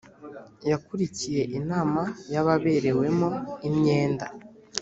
yakurikiye inama y ababerewemo imyenda